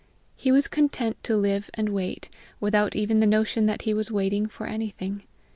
He was content to live and wait, without even the notion that he was waiting for anything.